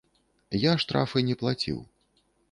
Я штрафы не плаціў.